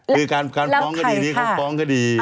คือการฟ้องคดีนี้เขาฟ้องคดี